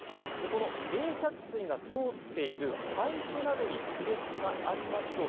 この冷却水が通っているパイプなどに亀裂がありますと